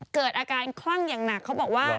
เกิดอาการคลั่งอย่างหนักเขาบอกว่า